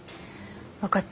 分かった。